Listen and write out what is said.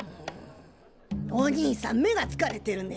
おにいさん目がつかれてるね。